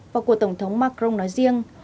và của tổng thống macron nói riêng